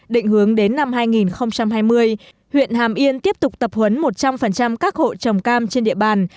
định hướng đến năm hai nghìn hai mươi huyện hàm yên tiếp tục tập huấn một trăm linh các hộ trồng cam trên địa bàn